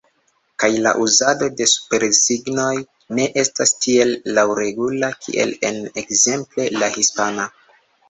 Kaj la uzado de supersignoj ne estas tiel laŭregula kiel en, ekzemple, la hispana.